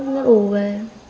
nó ù về